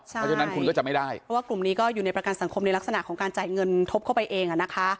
เพราะฉะนั้นคุณก็จะไม่ได้เพราะว่ากลุ่มนี้ก็อยู่ในประกันสังคมในลักษณะของการจ่ายเงินทบเข้าไปเอง